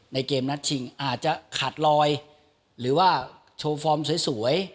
เกมนัดชิงอาจจะขาดลอยหรือว่าโชว์ฟอร์มสวย